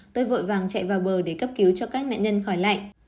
tôi vội vàng chạy vào bờ để cấp cứu cho các nạn nhân khỏi lạnh